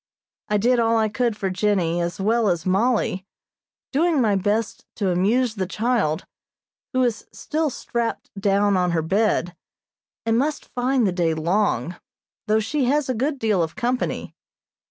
I did all I could for Jennie as well as Mollie, doing my best to amuse the child, who is still strapped down on her bed, and must find the day long, though she has a good deal of company.